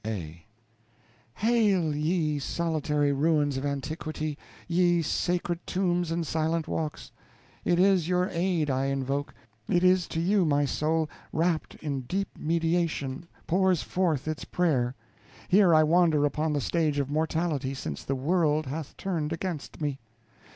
A. Hail, ye solitary ruins of antiquity, ye sacred tombs and silent walks! it is your aid I invoke; it is to you, my soul, wrapt in deep mediation, pours forth its prayer. Here I wander upon the stage of mortality, since the world hath turned against me.